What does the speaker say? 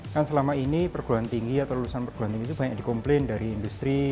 kan selama ini perguruan tinggi atau lulusan perguruan tinggi itu banyak dikomplain dari industri